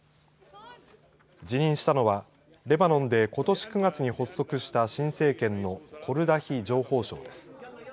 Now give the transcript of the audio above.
辞任するのはレバノンでことし９月に発足した新政権のコルダヒ情報相です。